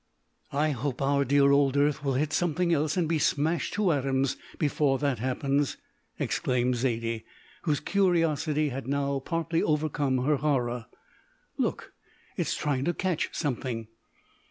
"I hope our dear old earth will hit something else and be smashed to atoms before that happens!" exclaimed Zaidie, whose curiosity had now partly overcome her horror. "Look, it's trying to catch something!"